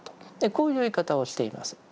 こういう言い方をしています。